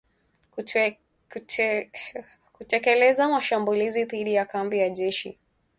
kutekeleza mashambulizi dhidi ya kambi za jeshi